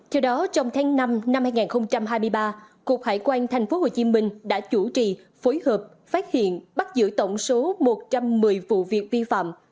theo đó trong tháng năm năm hai nghìn hai mươi ba cục hải quan tp hcm đã chủ trì phối hợp phát hiện bắt giữ tổng số một trăm một mươi vụ việc vi phạm